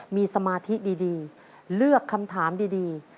มีสมาธิดีเลือกคำถามดี